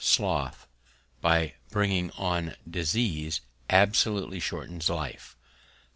Sloth, by bringing on Diseases, absolutely shortens Life.